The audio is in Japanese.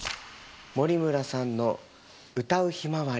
森村さんの「唄うひまわり」。